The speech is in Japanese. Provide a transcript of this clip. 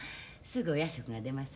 すぐお夜食が出ます